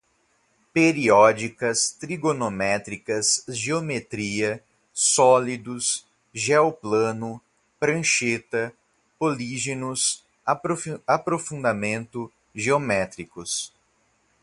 periódicas, trigonométricas, geometria, sólidos, geoplano, prancheta, políginos, aprofundamento, geométricos